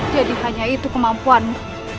jadi hanya itu kemampuanmu